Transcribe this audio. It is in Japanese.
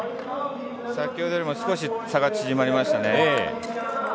先ほどよりも少し差が縮まりました。